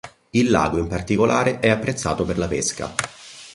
Il lago in particolare è apprezzato per la pesca.